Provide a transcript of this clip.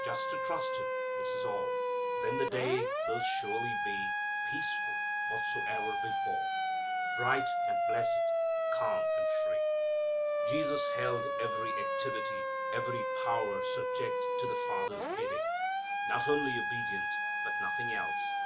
Just to trust Him. This is all. Then the day will surely be Peaceful, whatsoe'er befall, Bright and blesséd, calm and free." Jesus held every activity, every power subject to the Father's bidding. Not only obedient, but nothing else.